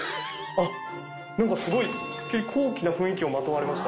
あっ何かすごい高貴な雰囲気をまとわれました。